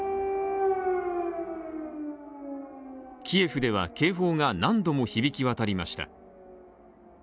キエフでは警報が何度も響き渡りました。